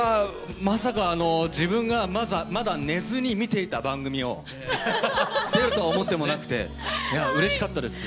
まさか自分がまだ寝ずに見ていた番組を出るとは思ってもなくてうれしかったです